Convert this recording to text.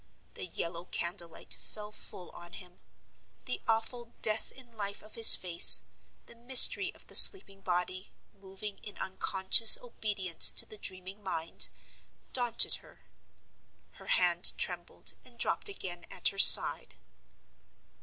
The yellow candle light fell full on him. The awful death in life of his face—the mystery of the sleeping body, moving in unconscious obedience to the dreaming mind—daunted her. Her hand trembled, and dropped again at her side.